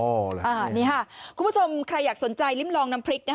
๔๕๐๐๐บาทไหมครับนี่ครับคุณผู้ชมใครอยากสนใจลิ้มลองน้ำพริก